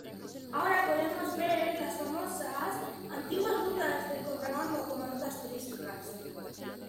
Ahora podemos ver las famosas antiguas rutas del contrabando como rutas turísticas.